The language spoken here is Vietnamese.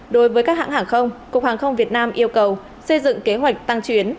đối với các hãng hàng không cục hàng không việt nam yêu cầu xây dựng kế hoạch tăng chuyến